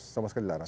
sama sekali dilarang